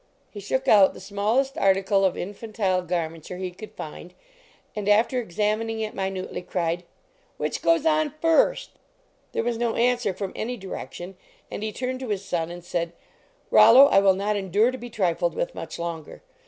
He shook out the smallest article of in fantile garmenture he could find, and, after examining it minutely, cried " Which goes on first? " There was no answer from any direction, and he turned to his son and said :" Rollo, I will not endure to be trifled with much longer.